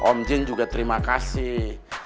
om jin juga terima kasih